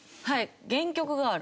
原曲がある。